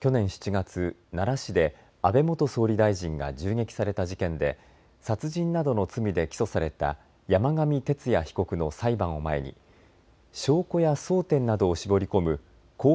去年７月、奈良市で安倍元総理大臣が銃撃された事件で殺人などの罪で起訴された山上徹也被告の裁判を前に証拠や争点などを絞り込む公判